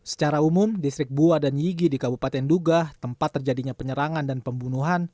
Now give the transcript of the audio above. secara umum distrik bua dan yigi di kabupaten duga tempat terjadinya penyerangan dan pembunuhan